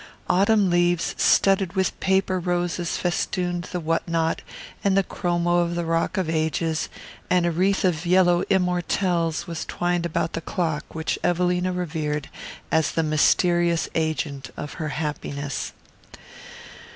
Autumn leaves studded with paper roses festooned the what not and the chromo of the Rock of Ages, and a wreath of yellow immortelles was twined about the clock which Evelina revered as the mysterious agent of her happiness.